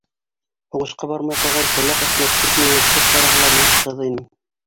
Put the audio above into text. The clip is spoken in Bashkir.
Һуғышҡа бармай ҡалған сулаҡ Әхмәт күпме йәбешеп ҡараһа ла, мин ҡыҙ инем.